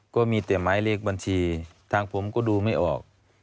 ก็มีแต่หมายเลขบัญชีทางผมก็ดูไม่ออก